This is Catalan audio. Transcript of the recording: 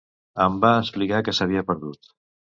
Em va explicar que s'havia perdut.